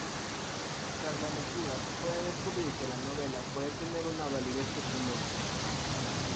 Tras la lectura se puede descubrir que la novela puede tener una validez testimonia.